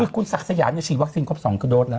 คือคุณสักสยามเนี่ยฉีดวัคซีนครบ๒โดสละ